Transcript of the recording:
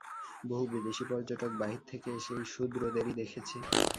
বহু বিদেশী পর্যটক বাহির থেকে এসে এই শূদ্রদেরই দেখেছে।